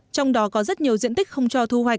trong đó có rất nhiều diện tích không cho thu hoạch